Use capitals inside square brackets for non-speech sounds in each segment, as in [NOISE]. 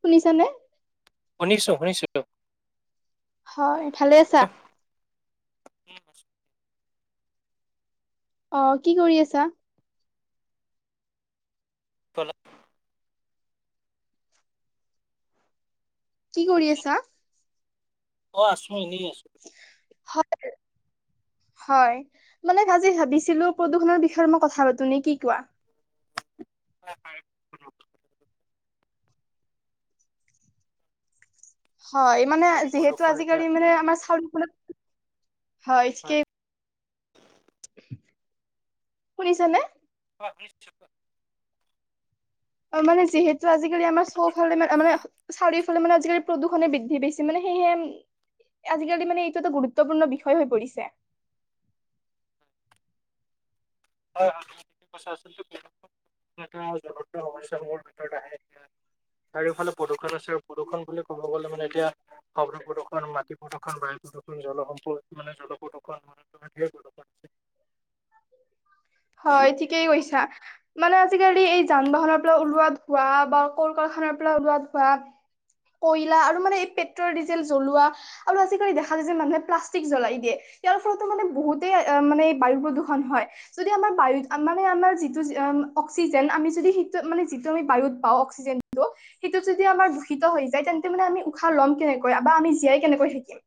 শুনিছানে? শুনিছো শুনিছো। হয়। ভালে আছা? উম আছো। অ, কি কৰি আছা? [UNINTELLIGIBLE] কি এতিয়া কৰি শুনিছানে? আছা? অ আছো এনেই আছো। [UNINTELLIGIBLE] হয় মানে আজি ভাবিছিলো প্ৰদূষণৰ বিষয়ে মই কথা পাতো নে কি কোৱা? [INAUDIBLE] হয়, মানে যিহেতু প্ৰদূষণ এতিয়া আজিকালি মানে আমাৰ চাউল [INAUDIBLE] হয় ঠিকেই শুনিছা নে? [INAUDIBLE] অ, মানে যিহেতু আজিকালি আমাৰ চৌফালে মানে মানে চাৰিওফালে মানে আজিকালি প্ৰদূষণ বৃদ্ধিছি মানে সেয়েহে, আজিকালি মানে এইটো এটা গুৰুত্বপূৰ্ণ বিষয় হৈ পৰিছে। হয়, হয় [INAUDIBLE] চাৰিওফালে প্ৰদূষণ আছে আৰু প্ৰদূষণ বুলি ক'ব গলে মানে এতিয়া শগ্ৰ প্ৰদূ্ষণ মাটি প্ৰদূৰ্ষণ বায়ু প্ৰদূৰ্ষণ জলসম্পদ মানে জল প্ৰদূষণ, [INAUDIBLE] হয়, ঠিকেই কৈছা। মানে আজিকালি এই যান বাহনৰ পৰা ওলোৱা ধোৱা বা ক কাৰখানাৰ পৰা ওলোৱা ধোৱা, কয়লা আৰু মানে এই পেট্ৰল ডিজেল জ্বলোৱা, আৰু আজিকালি দেখা যায় যে মানুহে প্লাষ্টিক জ্বলাই দিয়ে ইয়াৰ ফলতো মানে বহুতে মানে বায়ু প্ৰদূষণ ষন হয়। যদি আমাৰ বায়ুত মানে আমাৰ যিটোম অক্সিজেন আমি যদি সেইটোত মানে যিটো আমি বায়ুত পাওঁ, [INAUDIBLE] সেইটোত যদি আমাৰ দূষিত হৈ যায় তেন্তে মানে আমি উশাহ ল'ম কেনেকৈ বা আমি জীয়াই কেনেকৈ থাকিম?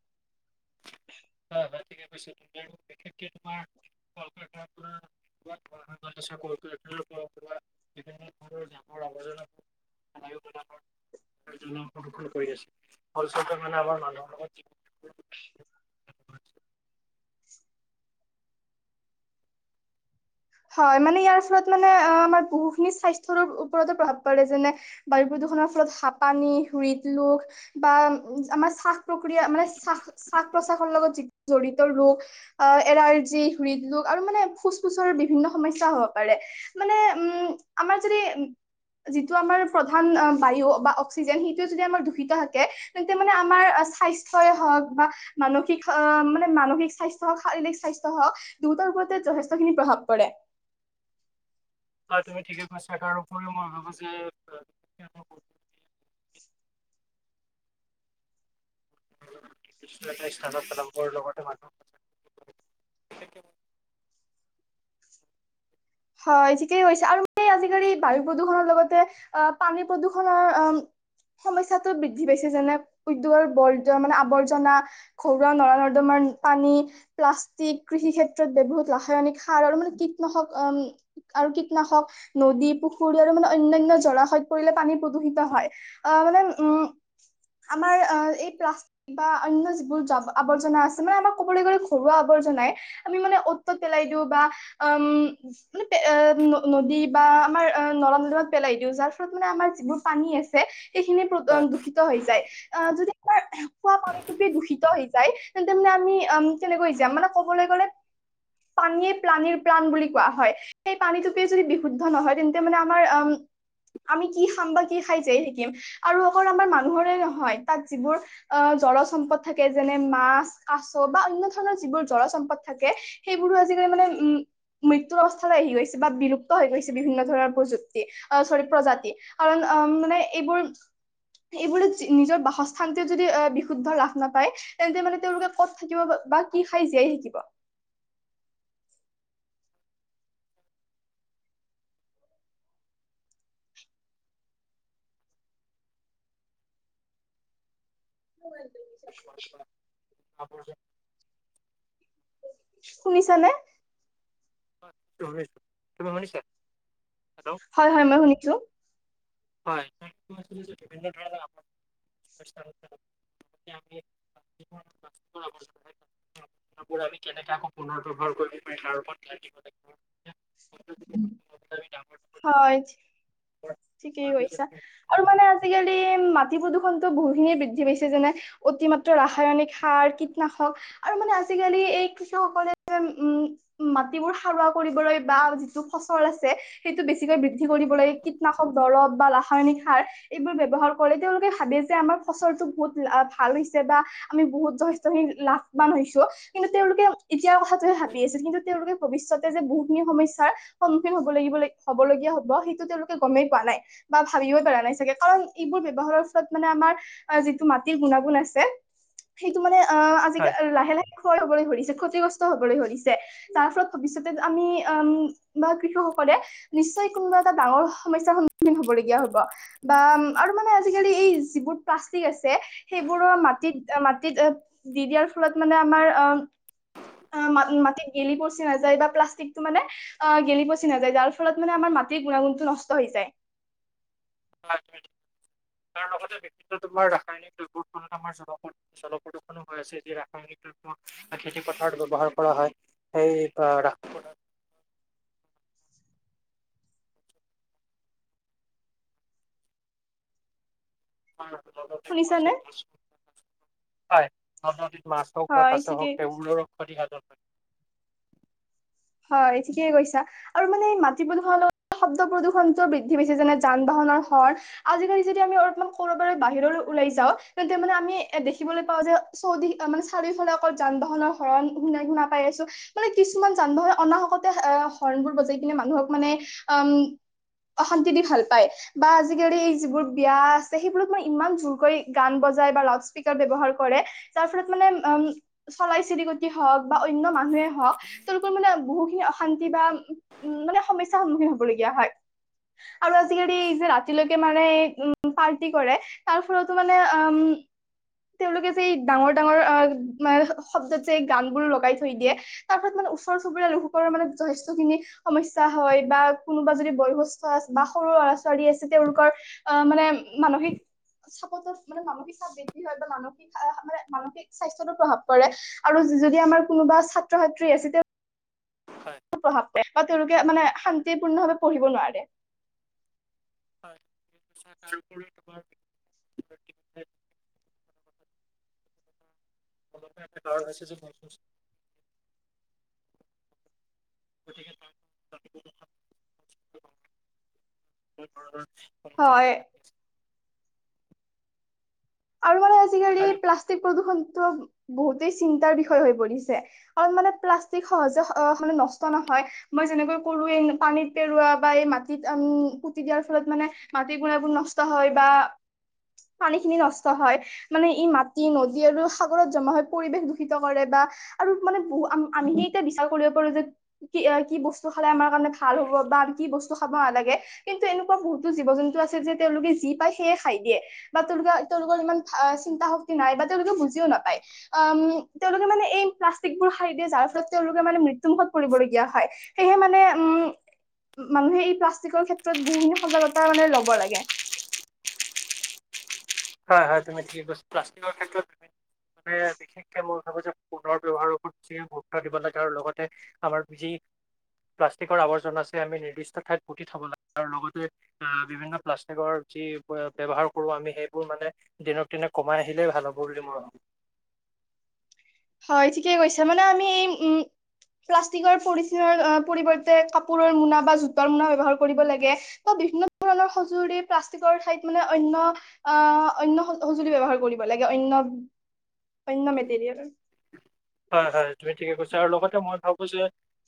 হয়, হয়, ঠিকে কৈছে তুমি আৰু বিশেষকে তোমাৰ কল কাৰখানাৰ পৰা [INAUDIBLE] [INAUDIBLE] কৰি আছে ফলস্বৰূপে, মানে আমাৰ মানুহৰ [INAUDIBLE] হয়, মানে ইয়াৰ ফলত মানে আমাৰ বহুখিনি স্বাস্থ্যৰ ওপৰতে প্ৰভাৱ পৰে। যেনে বায়ু প্ৰদূষণৰ ফলত হাঁপানী, হৃদ ৰোগ বা আমাৰ শ্বাস প্ৰক্ৰিয়া মানে শ্বাস প্ৰশ্বাসৰ লগত যি জড়িত ৰোগ আহ এলাৰ্জি, হৃদৰোগ আৰু মানে ফুচ-পুচাৰ বিভিন্ন সমস্যা হ'ব পাৰে মানে উম, আমাৰ যদি যিটো আমাৰ প্ৰধান বায়ু বা অক্সিজেন সেইটোৱে যদি আমাৰ দূষিত থাকে তেতিয়া মানে আমাৰ স্বাস্থ্যই হ'ওক বা মানসিক আহ মানে মানসিক স্বাস্থ্য হওক, শাৰীৰিক স্বাস্থ্যই হওক দুয়টাৰ ওপৰতে যথেষ্টখিনি প্ৰভাৱ পৰে। অ' তুমি ঠিকে কৈছা, তাৰ উপৰিও মই ভাবো যে [INAUDIBLE] [INAUDIBLE] হয়, ঠিকেই কৈছা আৰু মানে আজিকালি বায়ু প্ৰদূষণৰ লগতে আহ, পানী প্ৰদূষণৰ অ, সমস্যাটো বৃদ্ধি পাইছে। যেনে- উদ্যোগৰ মানে আৱৰ্জনা, ঘৰুৱা নৰা নৰ্দমাৰ পানী, প্লাষ্টিক, কৃষি ক্ষেত্ৰত বহুত ৰাসায়নিক সাৰ আৰু মানে কীটনাশক আৰু কীটনাশক নদী, পুখুৰী আৰু মানে অনন্য জলাশয়ত পৰিলে পানী প্ৰদূষিত হয়, মানে উম, আমাৰ এই প্লাষ্টিক বা অনন্যো যিবোৰ আৱৰ্জনা আছে মানে আমাক ক'বলৈ গ'লে ঘৰুৱা আৱৰ্জনাই। আমি মানে অ'ত-ত'ত পেলাই দিওঁ বা উম মানে ন-নদী বা আমাৰ নৰম নদীমত পেলাই দিওঁ যাৰ ফলত মানে আমাৰ যিবোৰ পানী আছে এইখিনি দূষিত হৈ যায় আহ যদি তোমাৰ খোৱা পানী দূষিত হৈ যায় তেন্তে মানে আমি উম কেনেকৈ যাম মানে কবলৈ গ'লে পানীয়েে প্ৰাণীৰ প্ৰাণ বুলি কোৱা হয়। সেই পানীটোপে যদি বিশুদ্ধ নহয় তেন্তে মানে আমাৰ আমি কি খাম বা কি খাই জীয়াই থাকিম, আৰু অকল আমাৰ মানুহৰে নহয় তাত যিবোৰ অ', জলজ সম্পদ থাকে, যেনে-মাছ, কাছ বা অনন্য ধৰণৰ যিবোৰ জলজ সম্পদ থাকে সেইবোৰো আজিকালি মানে, উম, মৃত্যুৰ অৱস্থা আহি গৈছে, বা বিলুপ্ত হৈ গৈছে বিভিন্ন ধৰণৰ প্ৰযুক্তি, অ', চৰি প্ৰজাতি কাৰণ মানে এইবোৰ এইবোৰ নিজৰ বাসস্থানতে যদি, অ', বিশুদ্ধ লাভ নাপায় তেন্তে মানে তেওঁলোকে ক'ত থাকিব বা কি খাই জীয়াই থাকিব। [UNINTELLIGIBLE] শুনিছানে? [UNINTELLIGIBLE] তুমি শুনিছা? হেল্ল'। হয়, হয়, মই শুনিছোঁ। হয় ধ [UNINTELLIGIBLE] [UNINTELLIGIBLE] কাপোৰ আমি কেনেকে আকৌ পুনৰ ব্যৱহাৰ কৰিব পাৰিম তাৰ ওপৰত ধ্যান দিব লাগিব। [INAUDIBLE] [UNINTELLIGIBLE] হয়। ঠিকেই কৈছা, আৰু মানে আজিকালি মাটি প্ৰদূষণটো বহুখিনিয়ে বৃদ্ধি পাইছে যেনে অতিমাত্ৰ ৰাসায়নিক সাৰ, কীটনাশক আৰু মানে আজিকালি এই কৃষকসকলে যেন, উম মাটিবোৰ সাৰুৱা কৰিবলৈ, বা যিটো ফচল আছে সেইটো বেছিকৈ বৃদ্ধি কৰিবলৈ নাশক দৰৱ, বা ৰাসায়নিক সাৰ এইবোৰ ব্যৱহাৰ কৰি তেওঁলোকে ভাবে যে, আমাৰ ফচলটো বহুত ভাল হৈছে বা আমি বহুত যথেষ্টখিনি লাভবান হৈছোঁ কিন্তু তেওঁলোকে এতিয়াৰ কথাটোহে ভাবি আছিল, কিন্তু তেওঁলোকে ভৱিষ্যতে যে বহুখিনি সমস্যাৰ সন্মুখীন হ'ব লাগিব, হ'বলগীয়া হ'ব, সেইটো তেওঁলোকে গমেই পোৱা নাই। বা ভাবিবই পাৰ নাই চাগে, কাৰণ এইবোৰ ব্যৱহাৰৰ ফলত মানে আমাৰ যিটো মাটিৰ গুণাগুণ আছে, সেইটো মানে হয়। আজিকালি লাহে লাহে খৰ হবলৈ ধৰিছে, ক্ষতিগ্ৰস্ত হবলৈ ধৰিছে। তাৰ ফলত ভৱিষ্যতে আমি, উম, বা কৃষকসকলে নিশ্চয় কোনোবা এটা ডাঙৰ সমস্যাৰ সন্মুখীন হ'বলগীয়া হ'ব, বা আৰু মানে আজিকালি এই যিবোৰ প্লাষ্টিক আছে সেইবোৰো মাটিত, মাটিত দি দিয়াৰ ফলত মানে আমাৰ, অ' ম, মাটিত গেলি-পচি নাযায়, বা প্লাষ্টিকটো মানে অ', গেলি পচি নাযায়, যাৰ ফল মানে আমাৰ মাটিৰ গুণাগুণটো নষ্ট হৈ যায়। [UNINTELLIGIBLE] তাৰ লগতে বিভিন্ন তোমাৰ ৰাসায়নিক দ্ৰব্যৰ ফলত আমাৰ জলপ জলপ্ৰদূষণো হৈ আছে, যি ৰাসায়নিক দ্ৰব্য খেতি পথাৰত ব্যৱহাৰ কৰা হয় সেই [UNINTELLIGIBLE] শুনিছানে [UNINTELLIGIBLE] হয়। [UNINTELLIGIBLE] মাছ হওঁক বা হয় কাচ হওঁক ঠিকেই তেওঁবোৰৰ ক্ষতি সাধন হয়। হয়, ঠিকে কৈছা। আৰু মানে মাটি প্ৰদূষণ, শব্দ প্ৰদূষণতটো বৃদ্ধি পাইছে, যেনে যান বাহনৰ হৰ আজিকালি যদি আমি অলপমান ক'ৰবালে বাহিৰলৈ ওলাই যাওঁ, তেন্তে মানে আমি এ দেখিবলৈ পাওঁ যে চৌদিশ মানে, চাৰিওফালে অকল যান বাহনৰ হৰন শুনা পাই আছোঁ, মানে কিছুমান যান বাহন অনাহকতে অ', হৰ্ণবোৰ বজাই কিনে মানুহক মানে, অ', অশান্তি দি ভাল পায়। বা আজিকালি এই যিবোৰ বিয়া আছে সেইবোৰত মই ইমান জোৰ কৰি গান বজাই বা লাউড স্পীকাৰ ব্যৱহাৰ কৰে যাৰ ফলত মানে, উম, চৰাই চিৰিকটি হওঁক বা অনন্য মানুহে হওঁক তেওঁলোকৰ মানে বহুখিনি অশান্তি বা উম, মানে সমস্যাৰ সন্মুখীন হ'বলগীয়া হয়। আৰু আজিকালি এই যে ৰাতিলৈকে মানে উম, পাৰ্টি কৰে, তাৰফলতো মানে, উম তেওঁলোকে যে ডাঙৰ ডাঙৰ, অ', শব্দত যে গানবোৰ লগাই থৈ দিয়ে তাৰপিছ মানে ওচৰ চুবুৰিয়ালোক সকলৰ মানে যথেষ্টখিনি সমস্যা হয় বা কোনোবা যদি বয়সস্থ বা সৰু ল'ৰা ছোৱালী আছে তেওঁওলোকৰ অ' মানে মানসিক চাপতত মানে মানসিক চাপ বৃদ্ধি হয় বা মানসিক মানে মানসিক সাস্থ প্ৰভাৱ পৰে আৰু যদি আমাৰ কোনোবা ছাত্ৰ ছাত্ৰী আছে হয়। প্ৰভাৱ প বা তেওঁলোকে মানে শান্তিপূৰ্ণ ভাৱে পঢ়িব নোৱাৰে। হয়' ঠিকে কৈছা তাৰ উপৰি তোমাৰ [UNINTELLIGIBLE] গতিকে হয়। আৰু মানে আৰু প্লাষ্টিক প্ৰদূষণতটো বহুতেই চিন্তাৰ বিষয় হৈ পৰিছে। কাৰণ মানে প্লাষ্টিক সহজে মানে নষ্ট নহয়। মই যেনেকৈ কলোৱে পানীত পেৰৱোৱা বা এই মাটিত উম পুতি দিয়াৰ ফলত মানে মাটিৰ গুণাগুণ নষ্ট হয় বা পানী খিনি নষ্ট হয় মানে ই মাটি, নদী আৰু সাগৰত জমা হয় পৰিৱেশ দূষিত কৰে বা আৰু মানে বহু আমিহে এতিয়া বিচাৰ কৰিব পাৰো যে কি কি বস্তু খালে আমাৰ কাৰণে ভাল হ'ব বা আমি কি বস্তু খাব নালাগে। কিন্তু এনেকুৱা বহুতো জীৱ জন্তু আছে, যে তেওঁলোকে যি পায় সেয়ে খাই দিয়ে বা তেওঁলোকে তেওঁলোকৰ ইমান চিন্তা শক্তি নাই বা তেওঁলোকে বুজিও নাপায়। আউম তেওঁলোকে মানে এই প্লাষ্টিকবোৰ খাই দিয়ে যাৰ ফলত তেওঁলোকে মানে মৃত্যুমুখত পৰিবলগীয়া হয়। সেয়েহে মানে উম মানুহে এই প্লাষ্টিকৰ ক্ষেত্ৰত বহুখিনি সজাগতা মানে ল'ব লাগে। হয়, হয় তুমি ঠিকে কৈছা প্লাষ্টিকৰ ক্ষেত্ৰত মানে বিশেষকে মই ভাবো যে পুনৰ ব্যৱহাৰৰ ওপৰত যে গুৰুত্ব দিব লাগে আৰু লগতে আমাৰ যি প্লাষ্টিকৰ আৱৰ্জ আছে আমি নিৰ্দিষ্ট ঠাইত পুতি থব লাগে আৰু লগতে অ' বিভিন্ন প্লাষ্টিকৰ যি ব্যৱহাৰ কৰো আমি সেই এইটো মানে দিনক দিনে কমাই আহিলেই ভাল হ'ব বুলি মই ভাবো। হয়, ঠিকে কৈছে মানে আমি এই উম প্লাষ্টিকৰ পলিঠিনৰ পৰিৱৰ্তে কাপোৰৰ মোনা বা জোতৰ মোনা ব্যৱহাৰ কৰিব লাগে। ত বিভিন্ন ধৰণৰ সজুলি প্লাষ্টিকৰ ঠাইত মানে অন্য অ' অন্য সঁজুলি ব্যৱহাৰ কৰিব লাগে, অন্য অন্য মেটেৰিয়েল হয়, হয় তুমি ঠিকে কৈছা আৰু লগতে মই ভাবোঁ যে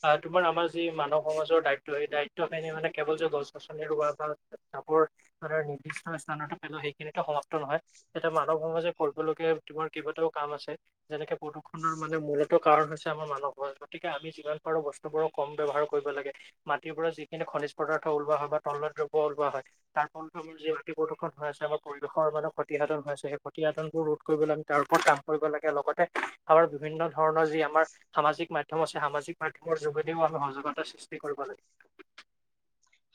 আহ তোমাৰ আমাৰ যি মানৱ সমাজৰ দায়িত্ব সেই দায়িত্ব খিনি মানে কেৱল যে গছ গছনি ৰোৱা বা জাবৰ মানে নিৰ্দিষ্ট স্থানতে পেলোৱা সেইখিনিতো সমাপ্ত নহয়। এটা মানৱ সমাজে কৰিবলগীয়া তোমাৰ কেইবাটাও কাম আছে যেনেকে প নৰ মানে মূলত কাৰণ হৈছে আমাৰ মানুহৰ গতিকে আমি যিমান পাৰোঁ বস্তুবোৰো কম ব্যৱহাৰ কৰিব লাগে। মাটিৰ পৰা যিখিনি খনিজ পদাৰ্থ ওলোৱা হয় বা তৰল দ্ৰব্য ওলোৱা হয়। তাৰ ফলতো আমাৰ যি ক্ষতি প্ৰদূষণ হৈ আছে আমাৰ পৰিৱেশৰ মানে ক্ষতিসাধন হৈ আছে সেই ক্ষতিসাধনবোৰো কৰিব আমি তাৰ ওপৰত কাম কৰিব লাগে, লগতে আমাৰ বিভিন্ন ধৰণৰ যি আমাৰ সামাজিক মাধ্যম আছে, সামাজিক মাধ্যমৰ যোগেদিও আমি সজতা সৃষ্টি কৰিব লাগে।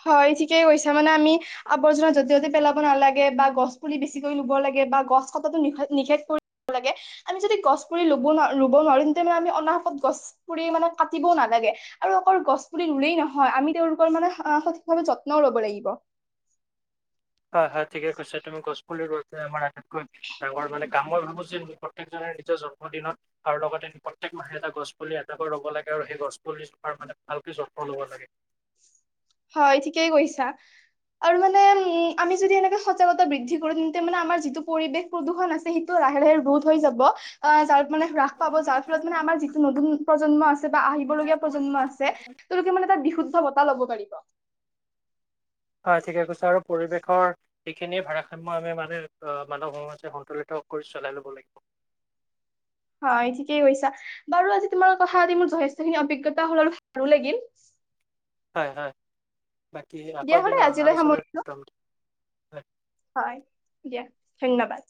হয় ঠিকেই কৈছে, মানে আমি আৱৰ্জনা যতে ততে পেলাব নালাগে বা গছ পুলি বেছিকৈ লব লাগে বা গছ কতো নিখেক নিষেধ কৰি লাগে আমি যদি গছ পুলি ৰুব নোৱাৰিম তেনেহলে অনাহত গছ পুৰি মানে কাটিব নালাগে আৰু অকল গছ পুলি ৰুলেই নহয় আমি তেওঁওলোকৰ মানে অ' সঠিকভাৱে যত্ন ল'ব লাগিব। হয় হয় ঠিকে কৈছা তুমি গছপুলিৰ ৰৱাটোয়েই আমাৰ আটইতকৈ ডাঙৰ মানে কাম মই ভাবো প্ৰত্যেকজনে নিজৰ জন্মদিনত আৰু লগতে প্ৰত্যেক মাহে এটা গছ পুলি এটাকৈ ৰ'ব লাগে আৰু সেই গছ পুলি মানে ভালকে যত্ন ল'ব লাগে। হয় ঠিকেই কৈছা। আৰু মানে উম আমি যদি এনেকে সজাগতা বৃদ্ধি কৰো তেন্তে মানে আমাৰ যিটো পৰিৱেশ প্ৰদূষণ আছে সেইটো লাহে লাহে ৰোধ হৈ যাব আ যাৰ মানে হ্ৰাস পাব যাৰ ফলত মানে আমাৰ যিটো নতুন প্ৰজন্ম আছে বা আহিবলগীয়া প্ৰজন্ম আছে তেওঁলোকে মানে এটা বিশুদ্ধ বঁটা লব পাৰিব। হয় ঠিকে কৈছে আৰু পৰিৱেশৰ সেইখিনিয়ে ভাৰাসাম্য ভাবে মানে মানৱ সমাজে সন্তুলিত কৰি চলাই ল'ব লাগিব। হয় ঠিকেই কৈছা বাৰু আজি তোমাৰ কথা আজি মোৰ যথেষ্টখিনি অভিজ্ঞতা হ'ল অলপ ভালো লাগিল। হয় হয়, বাকী আকৌ দিয়া এদিন হ'লে আজিলৈ আলোচনা সামৰিলো হয় দিয়া ধন্যবাদ।